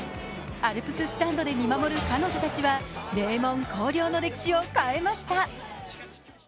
アルプススタンドで見守る彼女たちは名門・広陵の歴史を変えました。